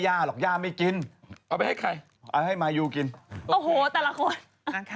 ไม่สมสมตกลงเขาไปง็อกคุณยาหรือเปล่า